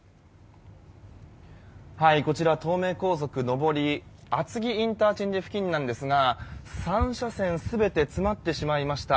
こちら、東名高速上り厚木ＩＣ付近なんですが３車線全て詰まってしまいました。